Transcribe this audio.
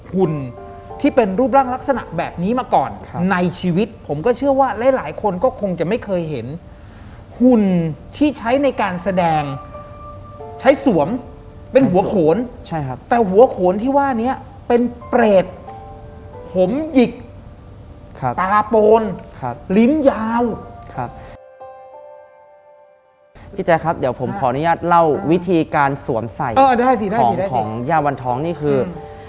หุ่นที่เป็นรูปร่างลักษณะแบบนี้มาก่อนในชีวิตผมก็เชื่อว่าหลายหลายคนก็คงจะไม่เคยเห็นหุ่นที่ใช้ในการแสดงใช้สวมเป็นหัวโขนใช่ครับแต่หัวโขนที่ว่านี้เป็นเปรตผมหยิกตาโปนครับลิ้นยาวครับพี่แจ๊คครับเดี๋ยวผมขออนุญาตเล่าวิธีการสวมใส่หน้าของยาวันทองนี่คือ